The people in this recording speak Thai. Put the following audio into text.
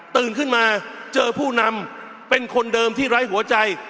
ขึ้นมาเจอผู้นำเป็นคนเดิมที่ไร้หัวใจ